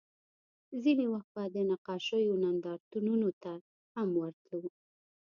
ځینې وخت به د نقاشیو نندارتونونو ته هم ورتلو